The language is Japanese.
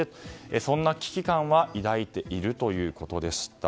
そんな危機感は抱いているということでした。